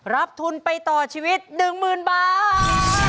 รับทุนไปต่อชีวิต๑๐๐๐บาท